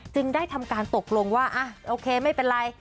ได้ทำการตกลงว่าโอเคไม่เป็นไร